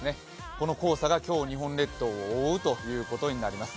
この黄砂が今日、日本列島を覆うことになります。